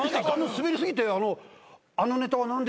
スベり過ぎてあのネタは何ですか？